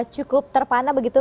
cukup terpana begitu